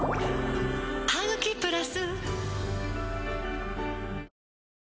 「ハグキプラス」